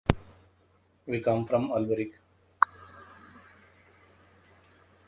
We come from Alberic.